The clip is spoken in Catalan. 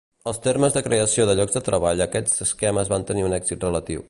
En termes de creació de llocs de treball aquests esquemes van tenir un èxit relatiu.